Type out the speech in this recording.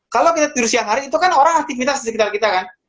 kalau minat tidur siang hari itu kan orang aktivitas di sekitar kita kan